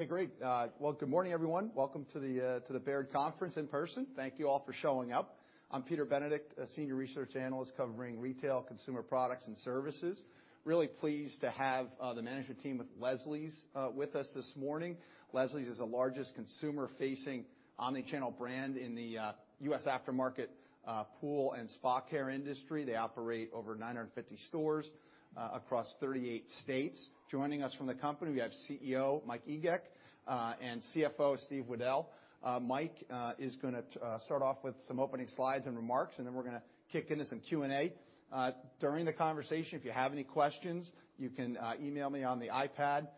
Okay, great. Good morning, everyone. Welcome to the Baird Conference in person. Thank you all for showing up. I'm Peter Benedict, a senior research analyst covering retail, consumer products, and services. Really pleased to have the management team with Leslie's with us this morning. Leslie's is the largest consumer-facing omni-channel brand in the U.S. aftermarket pool and spa care industry. They operate over 950 stores across 38 states. Joining us from the company, we have CEO Mike Egeck and CFO Steve Weddell. Mike is gonna start off with some opening slides and remarks, and then we're gonna kick into some Q&A. During the conversation, if you have any questions, you can email me on the iPad,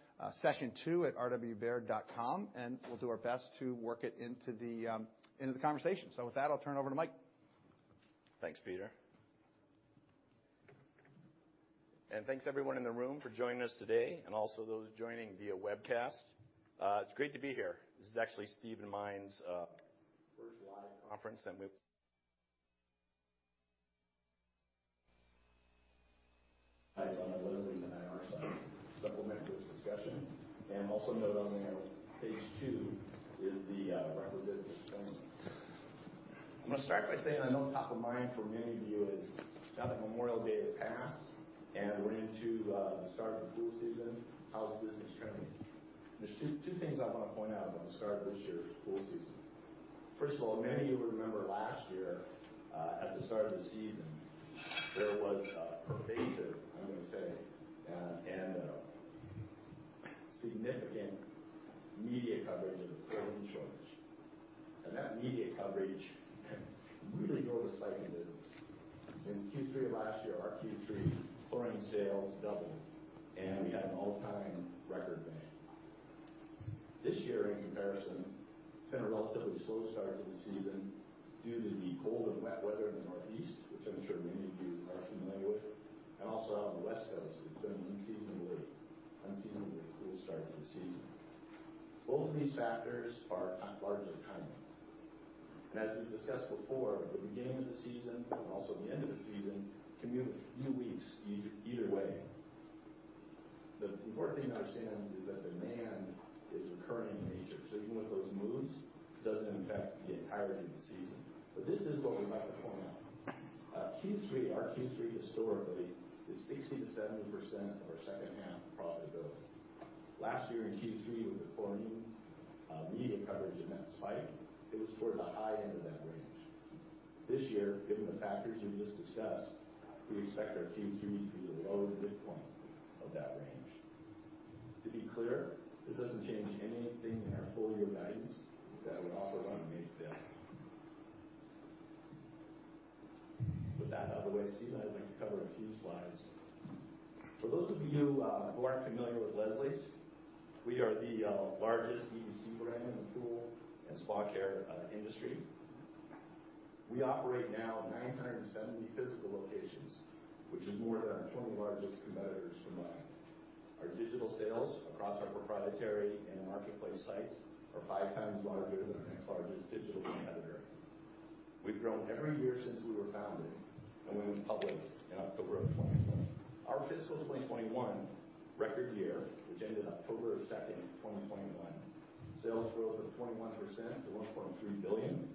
sessiontwo@rwbaird.com, and we'll do our best to work it into the conversation. With that, I'll turn over to Mike Egeck. Thanks, Peter. Thanks everyone in the room for joining us today and also those joining via webcast. It's great to be here. This is actually Steve and mine's first live conference on the Leslie's IR site to supplement this discussion. Also note on there, page two is the requisite disclaimers. I'm gonna start by saying I know top of mind for many of you is now that Memorial Day has passed, and we're into the start of the pool season, how's business trending? There's two things I wanna point out about the start of this year's pool season. First of all, many of you will remember last year, at the start of the season, there was a pervasive, I'm gonna say, and a significant media coverage of the chlorine shortage. That media coverage really drove a spike in business. In Q3 of last year, our Q3 chlorine sales doubled, and we had an all-time record bang. This year, in comparison, it's been a relatively slow start to the season due to the cold and wet weather in the Northeast, which I'm sure many of you are familiar with. Also out on the West Coast, it's been an unseasonably cool start to the season. Both of these factors are not largely kind. As we've discussed before, the beginning of the season and also the end of the season can move a few weeks either way. The important thing to understand is that demand is recurring in nature, so even with those moves, it doesn't impact the entirety of the season. This is what we'd like to point out. Q3, our Q3 historically is 60%-70% of our second half profitability. Last year in Q3 with the chlorine media coverage and that spike, it was toward the high end of that range. This year, given the factors we've just discussed, we expect our Q3 to be the lower midpoint of that range. To be clear, this doesn't change anything in our full year guidance that I would offer on May 5th. With that out of the way, Steve, I'd like to cover a few slides. For those of you who aren't familiar with Leslie's, we are the largest DTC brand in the pool and spa care industry. We operate now 970 physical locations, which is more than our 20 largest competitors combined. Our digital sales across our proprietary and marketplace sites are 5x larger than our next largest digital competitor. We've grown every year since we were founded, and we went public in October 2020. Our fiscal 2021 record year, which ended October 2, 2021. Sales growth of 21% to $1.3 billion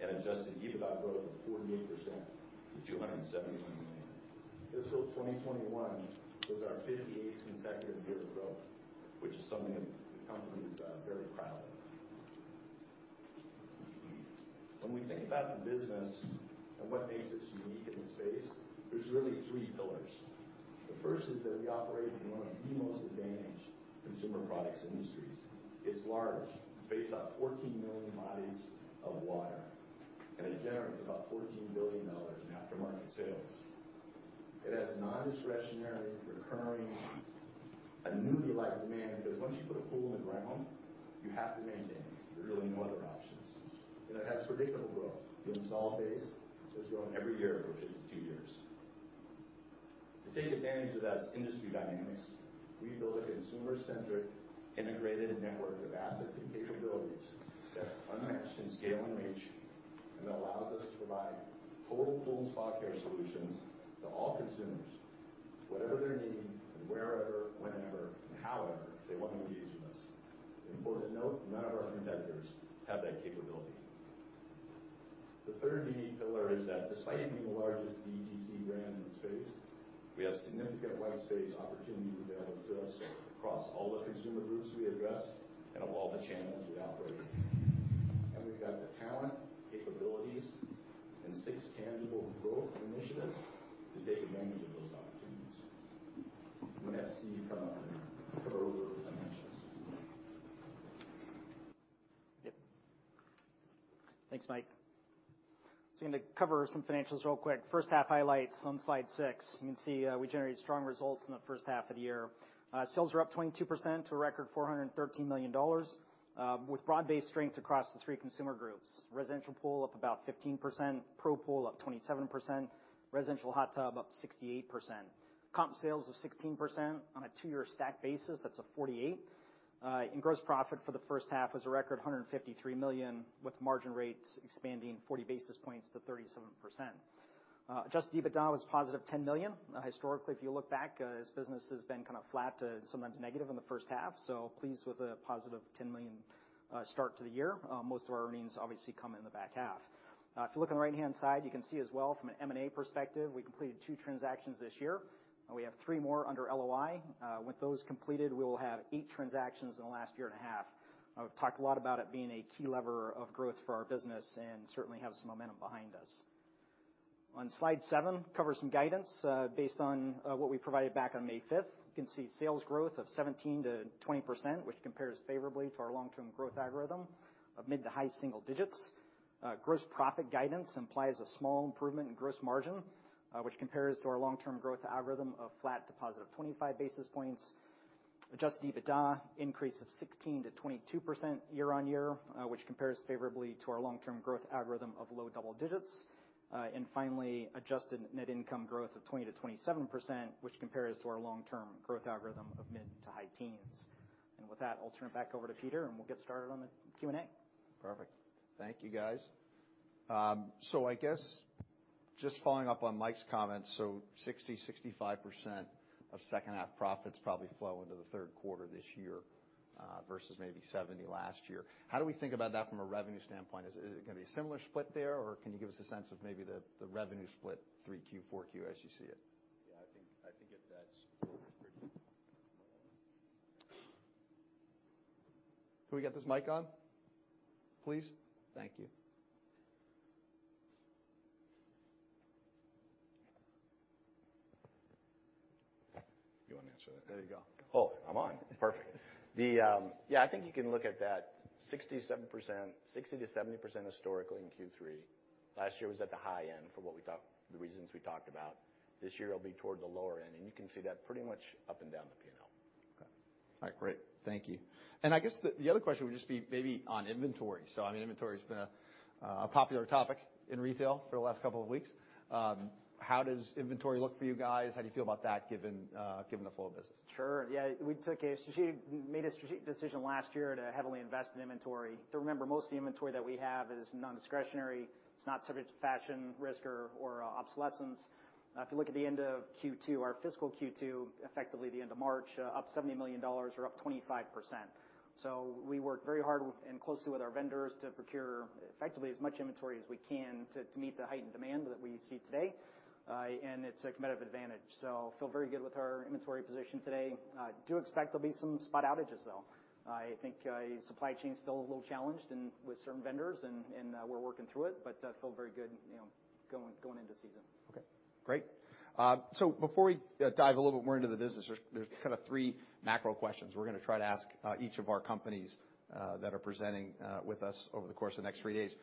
and adjusted EBITDA growth of 48% to $271 million. Fiscal 2021 was our 58th consecutive year of growth, which is something the company is very proud of. When we think about the business and what makes us unique in the space, there's really three pillars. The first is that we operate in one of the most advantaged consumer products industries. It's large. It's based on 14 million bodies of water, and it generates about $14 billion in aftermarket sales. It has non-discretionary, recurring, annuity-like demand because once you put a pool in the ground, you have to maintain it. There are really no other options. It has predictable growth. The install base has grown every year for 52 years. To take advantage of that industry dynamics, we built a consumer-centric, integrated network of assets and capabilities that are unmatched in scale and reach, and that allows us to provide total pool and spa care solutions to all consumers, whatever their need and wherever, whenever, and however they want to engage with us. Important to note, none of our competitors have that capability. The third unique pillar is that despite being the largest DTC brand in the space, we have significant white space opportunity to be able to address across all the consumer groups we address and of all the channels we operate in. We've got the talent, capabilities, and six tangible growth initiatives to take advantage of those opportunities. I'm gonna have Steve come up and go over the financials. Yep. Thanks, Mike. I'm gonna cover some financials real quick. First half highlights on slide six. You can see we generated strong results in the first half of the year. Sales are up 22% to a record $413 million with broad-based strength across the three consumer groups. Residential pool up about 15%, pro pool up 27%, residential hot tub up 68%. Comp sales of 16% on a two-year stack basis, that's a 48. Gross profit for the first half was a record $153 million, with margin rates expanding 40 basis points to 37%. Adjusted EBITDA was positive $10 million. Historically, if you look back, this business has been kind of flat to sometimes negative in the first half. Pleased with the positive $10 million start to the year. Most of our earnings obviously come in the back half. If you look on the right-hand side, you can see as well from an M&A perspective, we completed 2 transactions this year, and we have three more under LOI. With those completed, we will have 8 transactions in the last year and a half. I've talked a lot about it being a key lever of growth for our business and certainly have some momentum behind us. On slide seven, cover some guidance based on what we provided back on May 5th. You can see sales growth of 17%-20%, which compares favorably to our long-term growth algorithm of mid to high single digits. Gross profit guidance implies a small improvement in gross margin, which compares to our long-term growth algorithm of flat to positive 25 basis points. Adjusted EBITDA increase of 16%-22% year-on-year, which compares favorably to our long-term growth algorithm of low double digits. And finally, adjusted net income growth of 20%-27%, which compares to our long-term growth algorithm of mid to high teens. With that, I'll turn it back over to Peter, and we'll get started on the Q&A. Perfect. Thank you, guys. I guess just following up on Mike's comments, 60%-65% of second half profits probably flow into the third quarter this year, versus maybe 70% last year. How do we think about that from a revenue standpoint? Is it gonna be a similar split there, or can you give us a sense of maybe the revenue split, 3Q, 4Q, as you see it? Yeah, I think that's pretty. Can we get this mic on, please? Thank you. You wanna answer that? There you go. Oh, I'm on. Perfect. Yeah, I think you can look at that 67%, 60%-70% historically in Q3. Last year was at the high end for what we talked about, the reasons we talked about. This year, it'll be toward the lower end, and you can see that pretty much up and down the P&L. Okay. All right, great. Thank you. I guess the other question would just be maybe on inventory. I mean, inventory's been a popular topic in retail for the last couple of weeks. How does inventory look for you guys? How do you feel about that given the flow of business? Sure. Yeah, we made a strategic decision last year to heavily invest in inventory. To remember, most of the inventory that we have is nondiscretionary. It's not subject to fashion risk or obsolescence. If you look at the end of Q2, our fiscal Q2, effectively the end of March, up $70 million or up 25%. We work very hard with, and closely with our vendors to procure effectively as much inventory as we can to meet the heightened demand that we see today, and it's a competitive advantage. Feel very good with our inventory position today. Do expect there'll be some spot outages, though. I think supply chain's still a little challenged and with certain vendors and we're working through it, but feel very good, you know, going into season. Okay, great. Before we dive a little bit more into the business, there's kinda three macro questions we're gonna try to ask each of our companies that are presenting with us over the course of the next three days.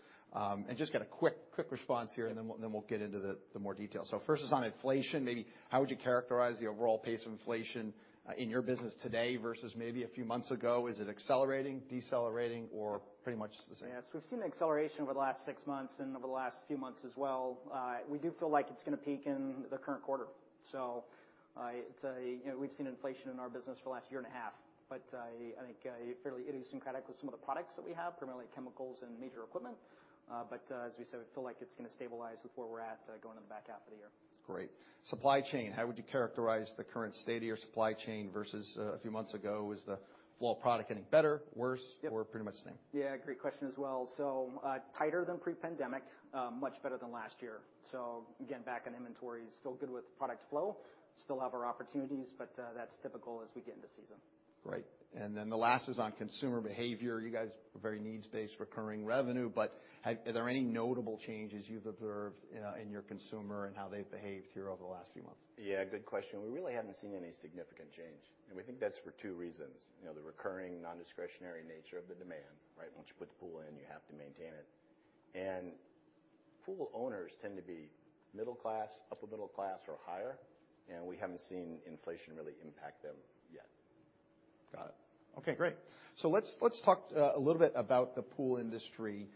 Just get a quick response here, and then we'll get into the more detail. First is on inflation. Maybe how would you characterize the overall pace of inflation in your business today versus maybe a few months ago? Is it accelerating, decelerating, or pretty much the same? Yes. We've seen acceleration over the last six months and over the last few months as well. We do feel like it's gonna peak in the current quarter. You know, we've seen inflation in our business for the last year and a half, but I think fairly idiosyncratic with some of the products that we have, primarily chemicals and major equipment. But as we said, we feel like it's gonna stabilize with where we're at going into the back half of the year. Great. Supply chain. How would you characterize the current state of your supply chain versus a few months ago? Is the flow of product any better, worse- Yep. pretty much the same? Yeah, great question as well. Tighter than pre-pandemic, much better than last year. Again, back on inventory. Still good with product flow. Still have our opportunities, but that's typical as we get into season. Great. The last is on consumer behavior. You guys are very needs-based recurring revenue, but are there any notable changes you've observed in your consumer and how they've behaved here over the last few months? Yeah, good question. We really haven't seen any significant change, and we think that's for two reasons. You know, the recurring nondiscretionary nature of the demand, right? Once you put the pool in, you have to maintain it. Pool owners tend to be middle class, upper middle class, or higher, and we haven't seen inflation really impact them yet. Got it. Okay, great. Let's talk a little bit about the pool industry.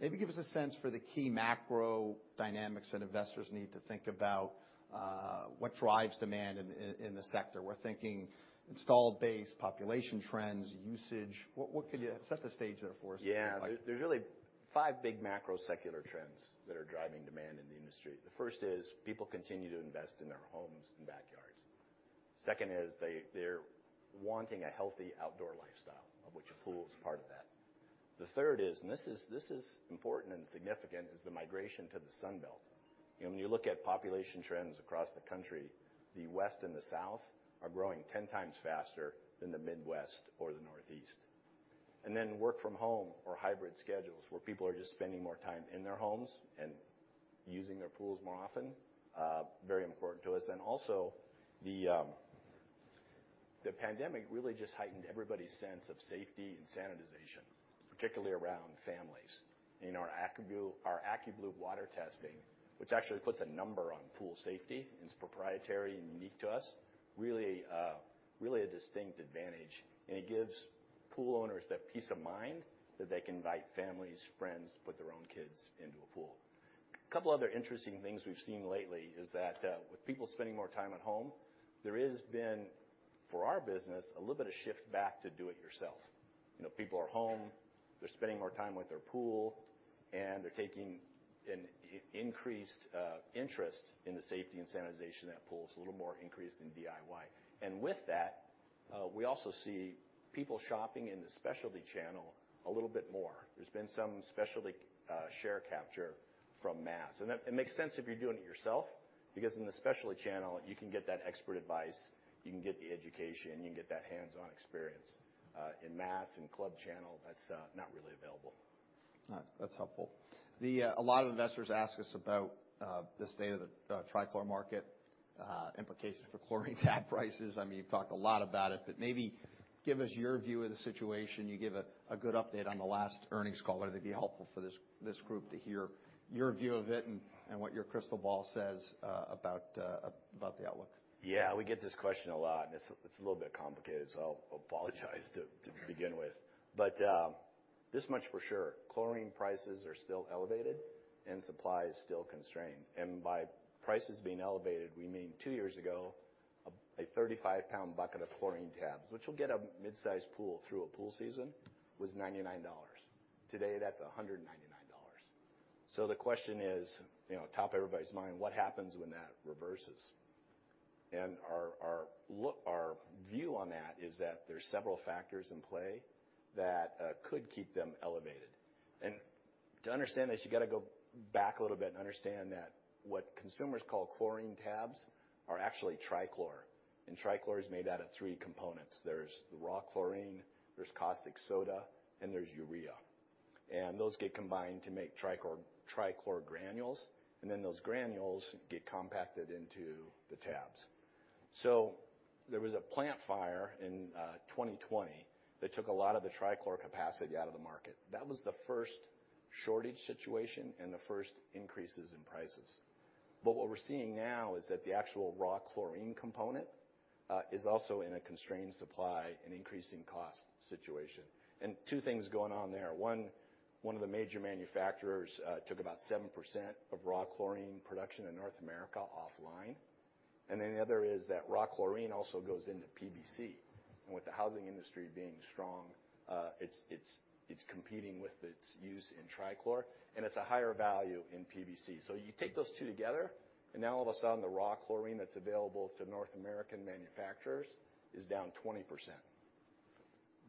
Maybe give us a sense for the key macro dynamics that investors need to think about, what drives demand in the sector. We're thinking installed base, population trends, usage. What could you set the stage there for us? Yeah. There's really five big macro secular trends that are driving demand in the industry. The first is people continue to invest in their homes and backyards. Second is they're wanting a healthy outdoor lifestyle, of which a pool is part of that. The third is, and this is important and significant, is the migration to the Sun Belt. You know, when you look at population trends across the country, the West and the South are growing 10 times faster than the Midwest or the Northeast. Work from home or hybrid schedules, where people are just spending more time in their homes and using their pools more often, very important to us. The pandemic really just heightened everybody's sense of safety and sanitization, particularly around families. Our AccuBlue water testing, which actually puts a number on pool safety, and it's proprietary and unique to us, really, really a distinct advantage, and it gives pool owners that peace of mind that they can invite families, friends, put their own kids into a pool. Couple other interesting things we've seen lately is that, with people spending more time at home, there has been, for our business, a little bit of shift back to do it yourself. You know, people are home, they're spending more time with their pool, and they're taking an increased interest in the safety and sanitization of that pool, so a little more increase in DIY. With that, we also see people shopping in the specialty channel a little bit more. There's been some specialty share capture from mass. It makes sense if you're doing it yourself, because in the specialty channel, you can get that expert advice, you can get the education, you can get that hands-on experience. In mass and club channel, that's not really available. All right. That's helpful. A lot of investors ask us about the state of the Trichlor market, implications for chlorine tab prices. I mean, you've talked a lot about it, but maybe give us your view of the situation. You gave a good update on the last earnings call, but I think it'd be helpful for this group to hear your view of it and what your crystal ball says about the outlook. Yeah. We get this question a lot, and it's a little bit complicated, so I'll apologize to begin with. This much for sure, chlorine prices are still elevated, and supply is still constrained. By prices being elevated, we mean two years ago, a 35-lb bucket of chlorine tabs, which will get a mid-sized pool through a pool season, was $99. Today, that's $199. The question is, you know, top of everybody's mind, what happens when that reverses? Our view on that is that there's several factors in play that could keep them elevated. To understand this, you gotta go back a little bit and understand that what consumers call chlorine tabs are actually Trichlor, and Trichlor is made out of three components. There's the raw chlorine, there's caustic soda, and there's urea. Those get combined to make Trichlor granules, and then those granules get compacted into the tabs. There was a plant fire in 2020 that took a lot of the Trichlor capacity out of the market. That was the first shortage situation and the first increases in prices. What we're seeing now is that the actual raw chlorine component is also in a constrained supply and increasing cost situation. Two things going on there. One of the major manufacturers took about 7% of raw chlorine production in North America offline. Then the other is that raw chlorine also goes into PVC, and with the housing industry being strong, it's competing with its use in Trichlor, and it's a higher value in PVC. You take those two together, and now all of a sudden, the raw chlorine that's available to North American manufacturers is down 20%.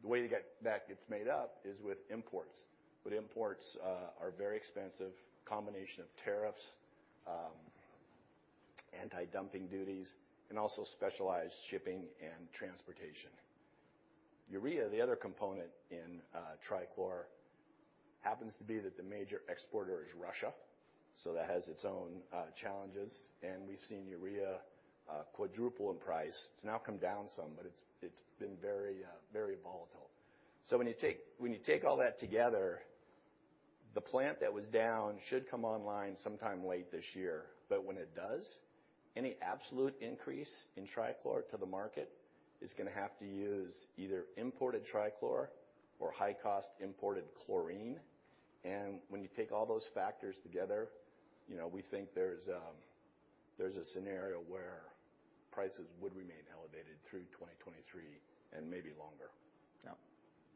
The way to get that gets made up is with imports, but imports are very expensive, combination of tariffs, anti-dumping duties, and also specialized shipping and transportation. Urea, the other component in Trichlor, happens to be that the major exporter is Russia, so that has its own challenges. We've seen urea quadruple in price. It's now come down some, but it's been very volatile. When you take all that together, the plant that was down should come online sometime late this year. When it does, any absolute increase in Trichlor to the market is gonna have to use either imported Trichlor or high-cost imported chlorine. When you take all those factors together, you know, we think there's a scenario where prices would remain elevated through 2023 and maybe longer. Yeah.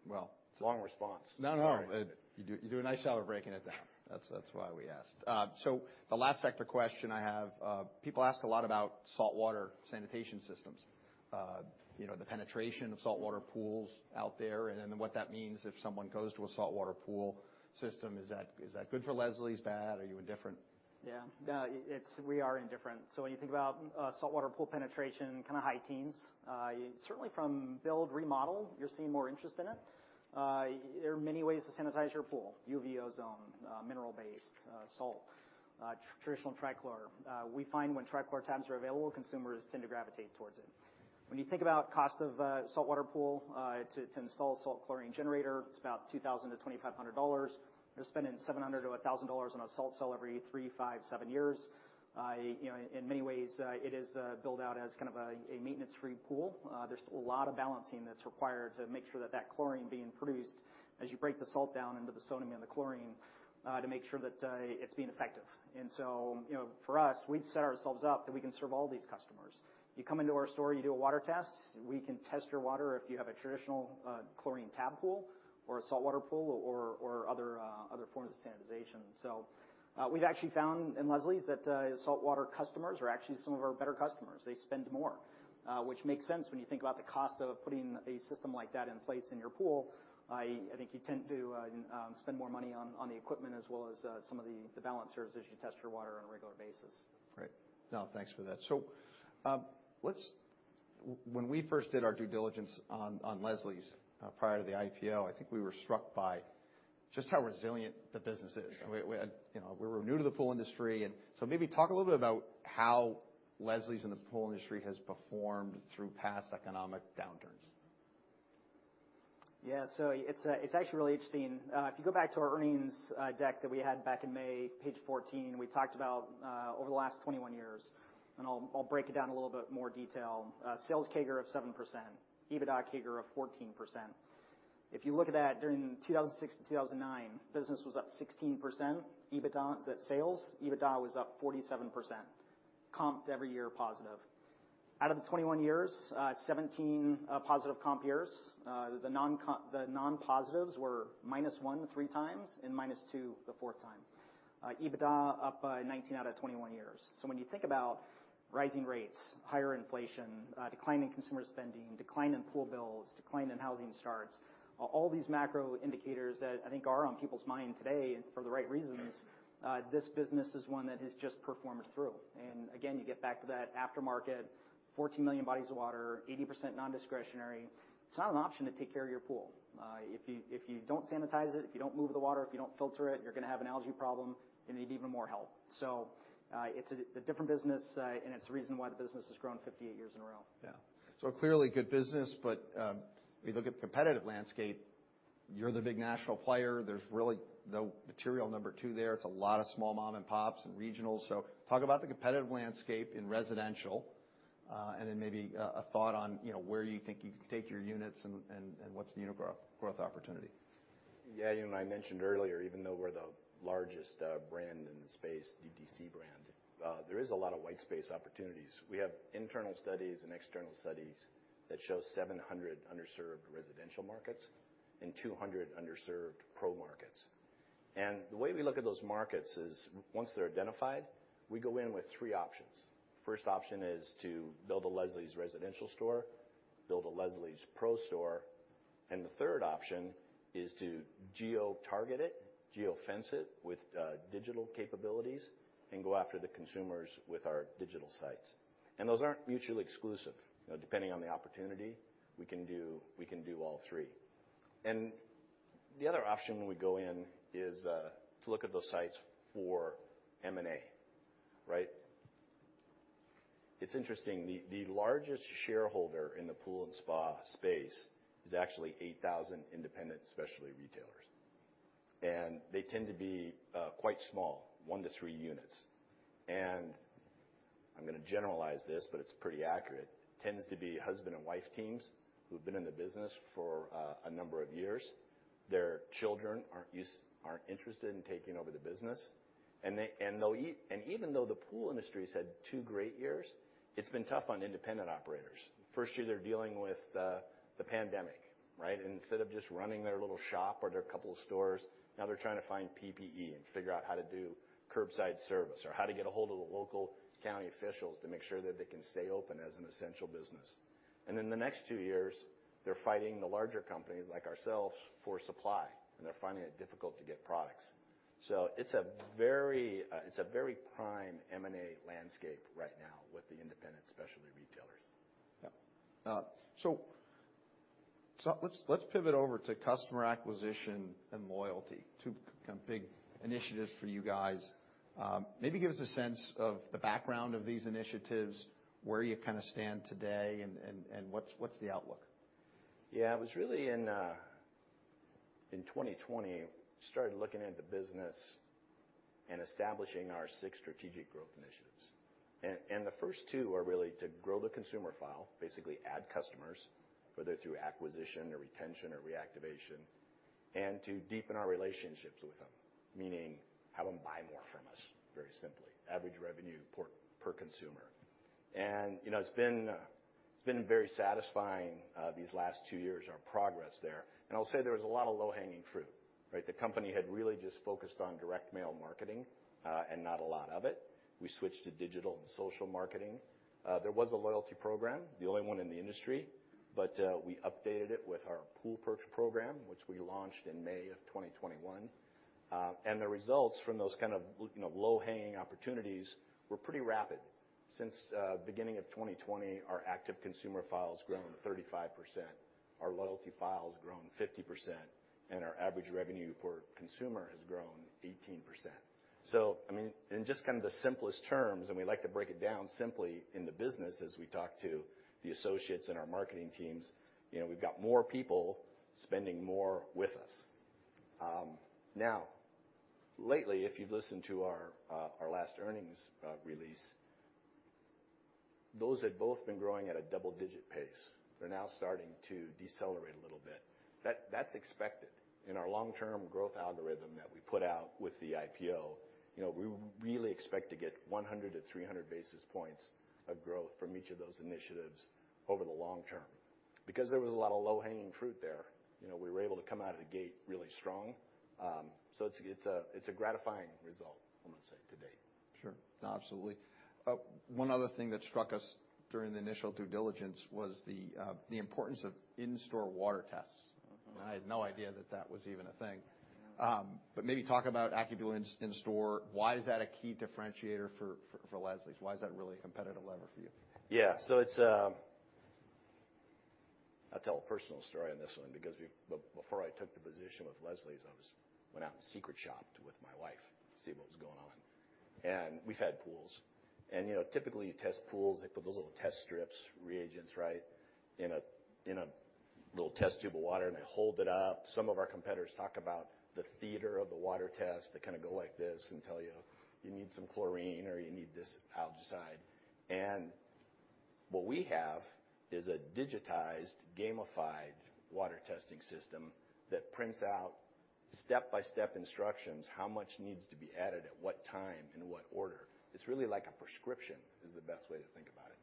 It's a long response. No, no. Sorry. You do a nice job of breaking it down. That's why we asked. The last sector question I have, people ask a lot about saltwater sanitation systems. You know, the penetration of saltwater pools out there and then what that means if someone goes to a saltwater pool system. Is that good for Leslie's? Bad? Are you indifferent? Yeah. No, it's we are indifferent. When you think about saltwater pool penetration, kinda high teens. Certainly from build, remodel, you're seeing more interest in it. There are many ways to sanitize your pool, UV, ozone, mineral based, salt, traditional Trichlor. We find when Trichlor tabs are available, consumers tend to gravitate towards it. When you think about cost of a saltwater pool, to install a salt chlorine generator, it's about $2,000-$2,500. You're spending $700-$1,000 on a salt cell every three, five, seven years. You know, in many ways, it is billed out as kind of a maintenance-free pool. There's a lot of balancing that's required to make sure that chlorine being produced as you break the salt down into the sodium and the chlorine, to make sure that it's being effective. You know, for us, we've set ourselves up that we can serve all these customers. You come into our store, you do a water test. We can test your water if you have a traditional chlorine tab pool or a saltwater pool or other forms of sanitization. We've actually found in Leslie's that saltwater customers are actually some of our better customers. They spend more, which makes sense when you think about the cost of putting a system like that in place in your pool. I think you tend to spend more money on the equipment as well as some of the balancers as you test your water on a regular basis. Right. No, thanks for that. When we first did our due diligence on Leslie's, prior to the IPO, I think we were struck by just how resilient the business is. Sure. We, you know, we were new to the pool industry and so maybe talk a little bit about how Leslie's and the pool industry has performed through past economic downturns. Yeah. It's actually really interesting. If you go back to our earnings deck that we had back in May, page 14, we talked about over the last 21 years, and I'll break it down in a little bit more detail. Sales CAGR of 7%, EBITDA CAGR of 14%. If you look at that during 2006-2009, business was up 16%. EBITDA was up 47%, comps every year positive. Out of the 21 years, 17 positive comp years. The non-positives were -1% three times and -2% the fourth time. EBITDA up 19 out of 21 years. When you think about rising rates, higher inflation, declining consumer spending, decline in pool builds, decline in housing starts, all these macro indicators that I think are on people's minds today and for the right reasons, this business is one that has just performed through. Again, you get back to that aftermarket, 14 million bodies of water, 80% non-discretionary. It's not an option to take care of your pool. If you don't sanitize it, if you don't move the water, if you don't filter it, you're gonna have an algae problem. You need even more help. It's a different business, and it's the reason why the business has grown 58 years in a row. Yeah. Clearly good business, but we look at the competitive landscape. You're the big national player. There's really no material number two there. It's a lot of small mom and pops and regionals. Talk about the competitive landscape in residential, and then maybe a thought on, you know, where you think you can take your units and what's the unit growth opportunity. Yeah. You know, I mentioned earlier, even though we're the largest, brand in the space, DTC brand, there is a lot of white space opportunities. We have internal studies and external studies that show 700 underserved residential markets and 200 underserved pro markets. The way we look at those markets is once they're identified, we go in with three options. First option is to build a Leslie's residential store, build a Leslie's pro store, and the third option is to geo-target it, geo-fence it with, digital capabilities, and go after the consumers with our digital sites. Those aren't mutually exclusive. You know, depending on the opportunity, we can do all three. The other option when we go in is to look at those sites for M&A, right? It's interesting. The largest shareholder in the pool and spa space is actually 8,000 independent specialty retailers. They tend to be quite small, one to three units. I'm gonna generalize this, but it's pretty accurate. Tends to be husband and wife teams who've been in the business for a number of years. Their children aren't interested in taking over the business. Even though the pool industry's had two great years, it's been tough on independent operators. First year, they're dealing with the pandemic, right? Instead of just running their little shop or their couple stores, now they're trying to find PPE and figure out how to do curbside service or how to get ahold of the local county officials to make sure that they can stay open as an essential business. Then the next two years, they're fighting the larger companies like ourselves for supply, and they're finding it difficult to get products. It's a very prime M&A landscape right now with the independent specialty retailers. Yeah. Let's pivot over to customer acquisition and loyalty, two kind of big initiatives for you guys. Maybe give us a sense of the background of these initiatives, where you kinda stand today and what's the outlook? Yeah. It was really in 2020, started looking into business and establishing our six strategic growth initiatives. The first two are really to grow the consumer file, basically add customers, whether through acquisition or retention or reactivation, and to deepen our relationships with them, meaning have them buy more from us, very simply. Average revenue per consumer. You know, it's been very satisfying these last two years, our progress there. I'll say there was a lot of low-hanging fruit, right? The company had really just focused on direct mail marketing and not a lot of it. We switched to digital and social marketing. There was a loyalty program, the only one in the industry, but we updated it with our Pool Perks program, which we launched in May of 2021. The results from those kind of low-hanging opportunities were pretty rapid. Since beginning of 2020, our active consumer file has grown 35%, our loyalty file has grown 50%, and our average revenue per consumer has grown 18%. I mean, in just kind of the simplest terms, we like to break it down simply in the business as we talk to the associates and our marketing teams, you know, we've got more people spending more with us. Now, lately, if you've listened to our last earnings release, those had both been growing at a double-digit pace. They're now starting to decelerate a little bit. That's expected. In our long-term growth algorithm that we put out with the IPO, you know, we really expect to get 100-300 basis points of growth from each of those initiatives over the long term. Because there was a lot of low-hanging fruit there, you know, we were able to come out of the gate really strong. It's a gratifying result, I'm gonna say, to date. Sure. Absolutely. One other thing that struck us during the initial due diligence was the importance of in-store water tests. I had no idea that that was even a thing. Maybe talk about AccuBlue in-store. Why is that a key differentiator for Leslie's? Why is that really a competitive lever for you? Yeah. I'll tell a personal story on this one because before I took the position with Leslie's, I went out and secret shopped with my wife to see what was going on. We've had pools. You know, typically, you test pools. They put those little test strips, reagents, right, in a little test tube of water, and they hold it up. Some of our competitors talk about the theater of the water test. They kinda go like this and tell you, "You need some chlorine," or, "You need this algaecide." What we have is a digitized, gamified water testing system that prints out step-by-step instructions, how much needs to be added at what time, in what order. It's really like a prescription, is the best way to think about it.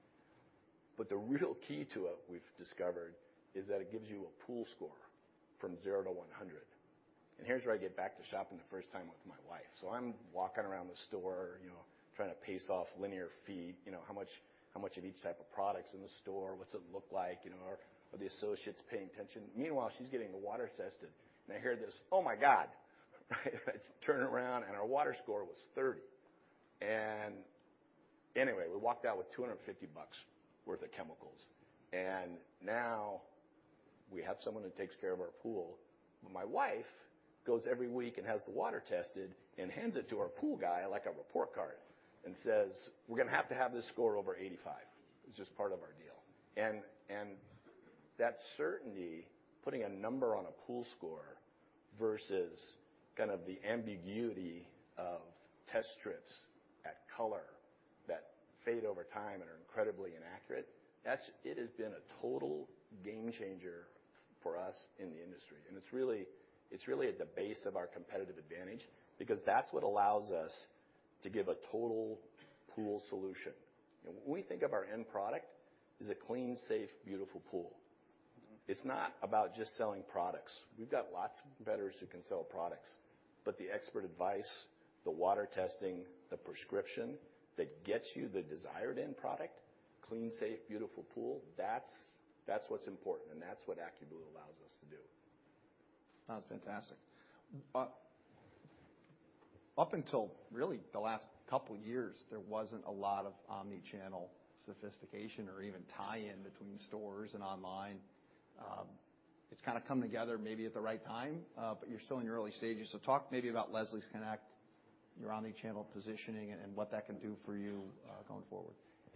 The real key to it, we've discovered, is that it gives you a pool score from 0 to 100. Here's where I get back to shopping the first time with my wife. I'm walking around the store, you know, trying to pace off linear feet, you know, how much of each type of product's in the store, what's it look like, you know, are the associates paying attention? Meanwhile, she's getting the water tested, and I hear this, "Oh, my God." I turn around, and our water score was 30. Anyway, we walked out with $250 worth of chemicals. Now we have someone who takes care of our pool. My wife goes every week and has the water tested and hands it to our pool guy like a report card and says, "We're gonna have to have this score over 85. It's just part of our deal." That certainty, putting a number on a pool score versus kind of the ambiguity of test strips, the color that fade over time and are incredibly inaccurate, that's it has been a total game changer for us in the industry. It's really at the base of our competitive advantage because that's what allows us to give a total pool solution. When we think of our end product is a clean, safe, beautiful pool. Mm-hmm. It's not about just selling products. We've got lots of competitors who can sell products. The expert advice, the water testing, the prescription that gets you the desired end product, clean, safe, beautiful pool, that's what's important, and that's what AccuBlue allows us to do. Sounds fantastic. Up until really the last couple years, there wasn't a lot of omni-channel sophistication or even tie-in between stores and online. It's kinda come together maybe at the right time, but you're still in your early stages. Talk maybe about Leslie's Connect, your omni-channel positioning, and what that can do for you, going forward.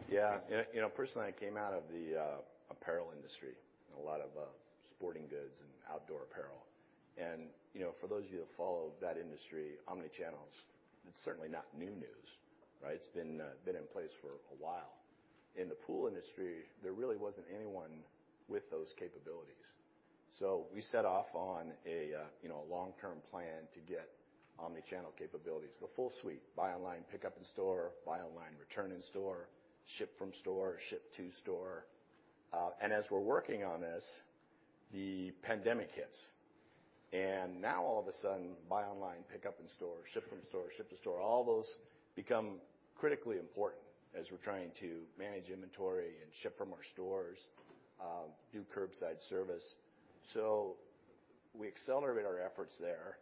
Yeah. You know, personally, I came out of the apparel industry and a lot of sporting goods and outdoor apparel. You know, for those of you that follow that industry, omni-channel, it's certainly not new news, right? It's been in place for a while. In the pool industry, there really wasn't anyone with those capabilities. We set off on a you know, long-term plan to get omni-channel capabilities. The full suite, buy online, pickup in store, buy online, return in store, ship from store, ship to store. As we're working on this, the pandemic hits. Now all of a sudden, buy online, pick up in store, ship from store, ship to store, all those become critically important as we're trying to manage inventory and ship from our stores, do curbside service. We accelerate our efforts there,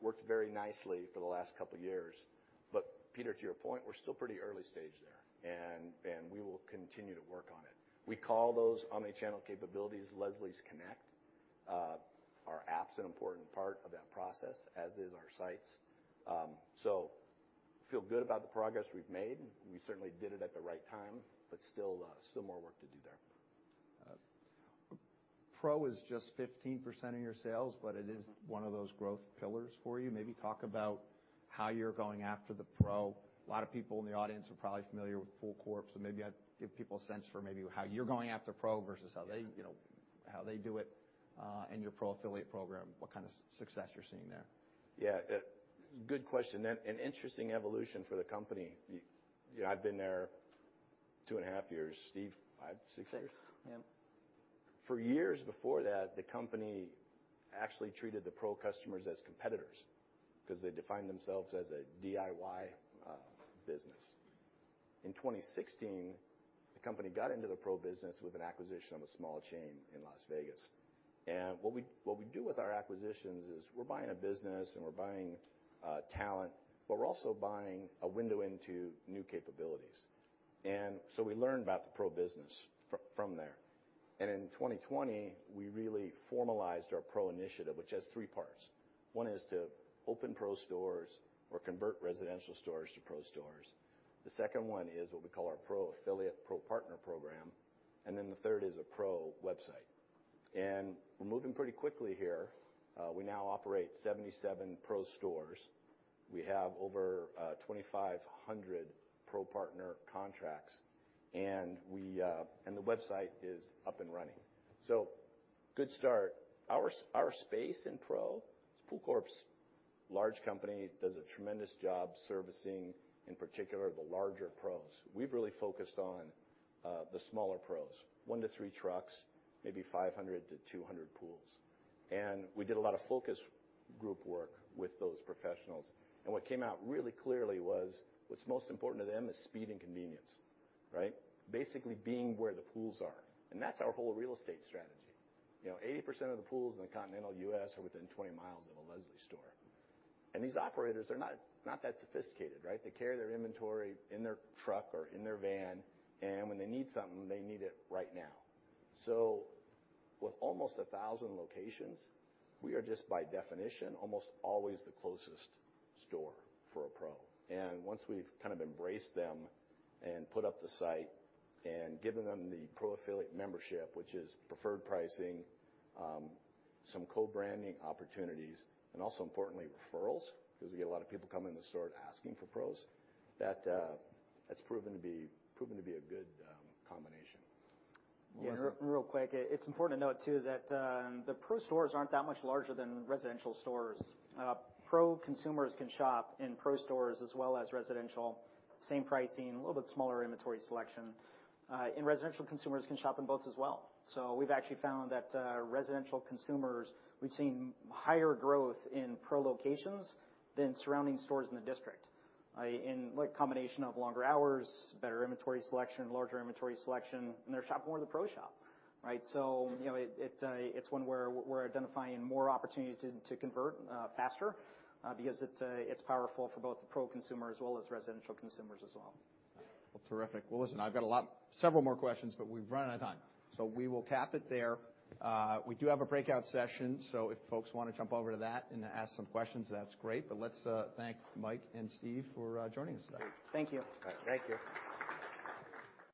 worked very nicely for the last couple years. Peter, to your point, we're still pretty early stage there, and we will continue to work on it. We call those omni-channel capabilities Leslie's Connect. Our app's an important part of that process, as is our sites. Feel good about the progress we've made. We certainly did it at the right time, but still more work to do there. Pro is just 15% of your sales, but it is one of those growth pillars for you. Maybe talk about how you're going after the Pro. A lot of people in the audience are probably familiar with Pool Corporation, so maybe I'd give people a sense for maybe how you're going after Pro versus how they, you know, how they do it, in your Pro affiliate program, what kind of success you're seeing there. Yeah, good question. An interesting evolution for the company. You know, I've been there two and a half years. Steve, five, six years? Six. Yep. For years before that, the company actually treated the Pro customers as competitors 'cause they defined themselves as a DIY business. In 2016, the company got into the Pro business with an acquisition of a small chain in Las Vegas. What we do with our acquisitions is we're buying a business and we're buying talent, but we're also buying a window into new capabilities. We learned about the Pro business from there. In 2020, we really formalized our Pro initiative, which has three parts. One is to open Pro stores or convert residential stores to Pro stores. The second one is what we call our Pro affiliate, Pro partner program. The third is a Pro website. We're moving pretty quickly here. We now operate 77 Pro stores. We have over 2,500 Pro partner contracts, and the website is up and running. So good start. Our space in Pro is Pool Corporation's large company, does a tremendous job servicing, in particular, the larger Pros. We've really focused on the smaller Pros, one to three trucks, maybe 500 to 200 pools. We did a lot of focus group work with those professionals. What came out really clearly was what's most important to them is speed and convenience, right? Basically being where the pools are. That's our whole real estate strategy. You know, 80% of the pools in the continental U.S. are within 20 miles of a Leslie's store. These operators are not that sophisticated, right? They carry their inventory in their truck or in their van, and when they need something, they need it right now. With almost a thousand locations, we are just, by definition, almost always the closest store for a Pro. Once we've kind of embraced them and put up the site and given them the Pro affiliate membership, which is preferred pricing, some co-branding opportunities, and also importantly, referrals, 'cause we get a lot of people coming in the store asking for Pros, that's proven to be a good combination. Well. Yeah, real quick. It's important to note, too, that the Pro stores aren't that much larger than residential stores. Pro consumers can shop in Pro stores as well as residential. Same pricing, a little bit smaller inventory selection. And residential consumers can shop in both as well. We've actually found that residential consumers, we've seen higher growth in Pro locations than surrounding stores in the district, in like combination of longer hours, better inventory selection, larger inventory selection, and they're shopping more in the Pro shop, right? You know, it it's one where we're identifying more opportunities to convert faster, because it's powerful for both the Pro consumer as well as residential consumers as well. Well, terrific. Well, listen, I've got several more questions, but we've run out of time. We will cap it there. We do have a breakout session, so if folks wanna jump over to that and ask some questions, that's great. Let's thank Mike and Steve for joining us today. Thank you. Thank you.